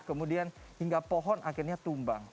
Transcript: kemudian hingga pohon akhirnya tumbang